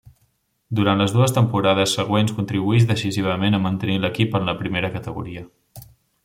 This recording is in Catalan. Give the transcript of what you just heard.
Durant les dues temporades següents contribuïx decisivament a mantenir a l'equip en la primera categoria.